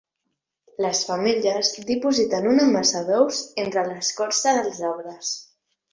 Les femelles dipositen una massa d'ous entre l'escorça dels arbres.